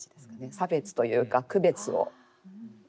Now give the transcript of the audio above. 差別というか区別を。